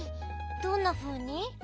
どんなふうに？